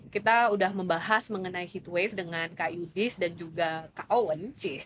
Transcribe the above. kita udah membahas mengenai heatwave dengan kak yudis dan juga kak owen ci